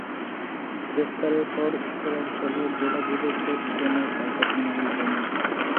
গ্রেফতারের পর উত্তরাঞ্চলের জেলাগুলিতে কোন ডাকাতি মামলা হয়নি।